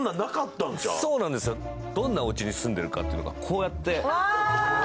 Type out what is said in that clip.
どんなおうちに住んでいるかが、こうやって。